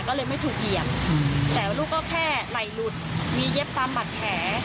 ก็เลยไม่ถูกเหยียบแต่ว่าลูกก็แค่ไหล่หลุดมีเย็บตามบัตรแผล